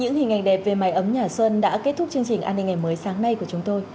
những hình ảnh đẹp về mái ấm nhà xuân đã kết thúc chương trình an ninh ngày mới sáng nay của chúng tôi